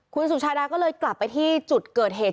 คุณสุชาดาก็เลยกลับไปที่จุดเกิดเหตุ